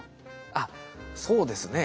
あっそうですね。